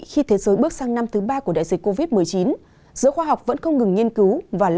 khi thế giới bước sang năm thứ ba của đại dịch covid một mươi chín giới khoa học vẫn không ngừng nghiên cứu và